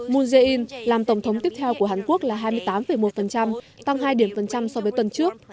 moon jae in làm tổng thống tiếp theo của hàn quốc là hai mươi tám một tăng hai điểm phần trăm so với tuần trước